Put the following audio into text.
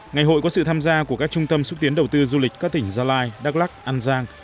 ngày hội có sự tham gia của các trung tâm xúc tiến đầu tư du lịch các tỉnh gia lai đắk lắc an giang